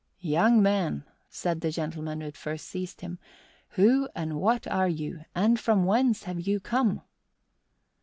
"Young man," said the gentleman who had first seized him, "who and what are you, and from whence have you come?"